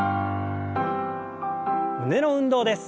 胸の運動です。